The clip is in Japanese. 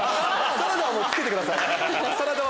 サラダは前菜で付けてください